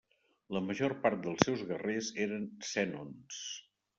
La major part dels seus guerrers eren sènons.